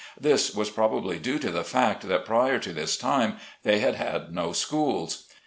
This was probably due to the fact that prior to this time they had had no schools.